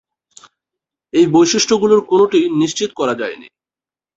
এই বৈশিষ্ট্যগুলোর কোনোটিই নিশ্চিত করা যায়নি।